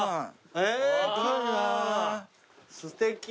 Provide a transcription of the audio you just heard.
すてき。